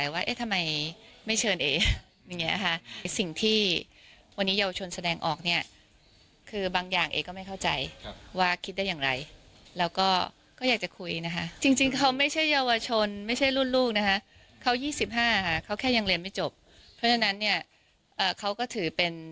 ยังเลียงไม่จบเพราะฉะนั้นเขาก็ถือเป็น